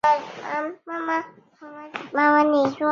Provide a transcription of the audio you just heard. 欧亚萍蓬草是睡莲科萍蓬草属的植物。